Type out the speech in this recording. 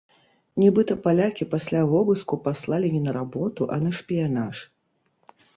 Нібыта палякі пасля вобыску паслалі не на работу, а на шпіянаж.